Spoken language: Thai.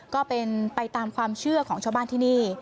ก็เป็นไปตามความเชื่อของชาวบ้านที่นี่